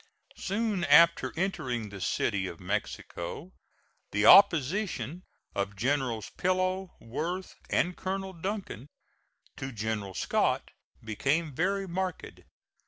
Soon after entering the city of Mexico, the opposition of Generals Pillow, Worth and Colonel Duncan to General Scott became very marked.